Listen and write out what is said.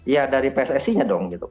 ya dari pssi nya dong gitu